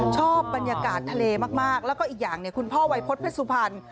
ชอบบรรยากาศทะเลมากแล้วก็อีกอย่างเนี่ยคุณพ่อวัยพฤษภัณฑ์